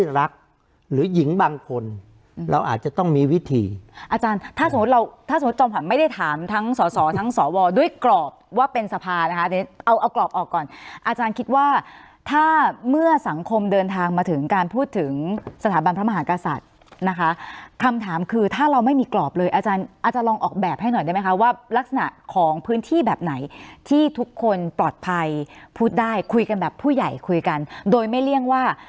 อาจารย์ถ้าสมมติเราถ้าสมมติจอมฝันไม่ได้ถามทั้งสอสอทั้งสอวอด้วยกรอบว่าเป็นสภานะคะเอากรอบออกก่อนอาจารย์คิดว่าถ้าเมื่อสังคมเดินทางมาถึงการพูดถึงสถาบันพระมหากศาสตร์นะคะคำถามคือถ้าเราไม่มีกรอบเลยอาจารย์อาจจะลองออกแบบให้หน่อยได้ไหมคะว่ารักษณะของพื้นที่แบบไหนที่ทุกคนปลอดภัย